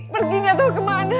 perginya tau kemana